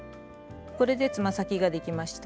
これでつま先ができました。